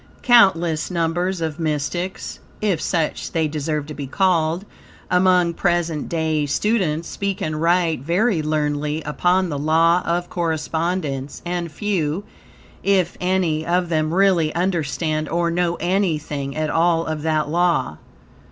Countless numbers of mystics, if such they deserve to be called, among present day students, speak and write very learnedly upon the "Law of Correspondence," and few, if any, of them really understand or know anything at all of that law.